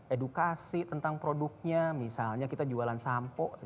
edukasi tentang produknya misalnya kita jualan sampo